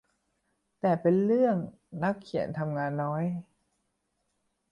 แต่เป็นเรื่องนักเขียนทำงานน้อย